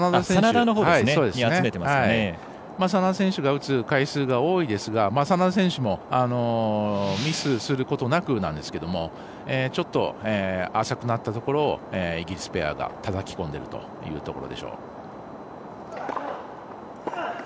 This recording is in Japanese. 眞田選手が打つ回数が多いですが眞田選手もミスすることなくなんですけれどもちょっと、浅くなったところをイギリスペアがたたき込んでいるというところでしょう。